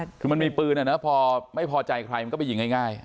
ถึงมันมีปืนพอไม่พอใจใครมันก็ไปยิงง่าย